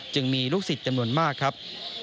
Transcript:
จึงมีลูกศิษย์จำนวนมากครับ